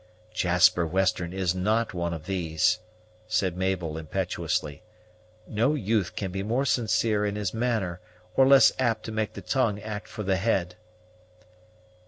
"Jasper Western is not one of these," said Mabel impetuously. "No youth can be more sincere in his manner, or less apt to make the tongue act for the head."